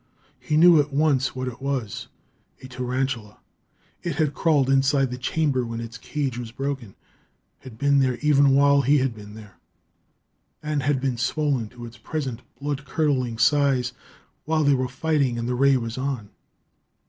He knew at once what it was a tarantula. It had crawled inside the chamber when its cage was broken, had been there even while he had been there, and had been swollen to its present blood curdling size while they were fighting and the ray was on.